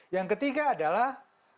yang ketiga adalah